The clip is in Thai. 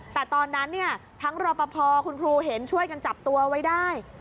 แต่ตอนนั้นเนี่ยทั้งรอปภคุณครูเห็นช่วยกันจับตัวไว้ได้